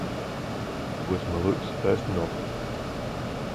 It was Malouf's first novel.